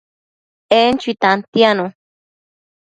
En chui tantianu